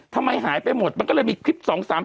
ทำไมหายไปหมดมันก็เลยมีคลิป๒๓๓